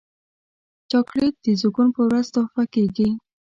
چاکلېټ د زیږون پر ورځ تحفه کېږي.